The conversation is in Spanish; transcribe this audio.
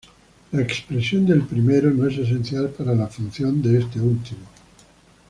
La expresión del primero no es esencial para la función de este último.